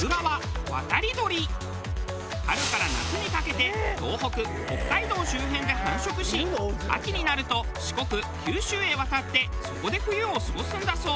春から夏にかけて東北北海道周辺で繁殖し秋になると四国九州へ渡ってそこで冬を過ごすんだそう。